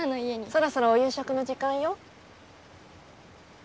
そろそろお夕食の時間よ？